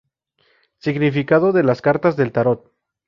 Significado de las cartas del tarot.